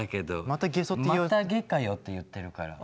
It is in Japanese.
また「げ」かよって言ってるから。